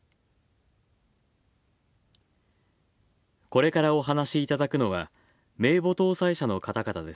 これからお話しいただくのは、名簿登載者の方々です。